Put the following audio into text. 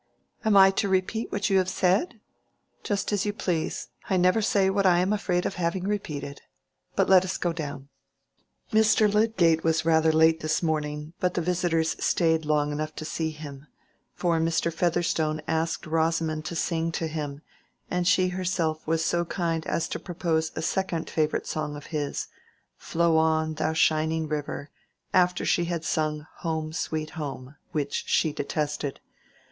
"Am I to repeat what you have said?" "Just as you please. I never say what I am afraid of having repeated. But let us go down." Mr. Lydgate was rather late this morning, but the visitors stayed long enough to see him; for Mr. Featherstone asked Rosamond to sing to him, and she herself was so kind as to propose a second favorite song of his—"Flow on, thou shining river"—after she had sung "Home, sweet home" (which she detested).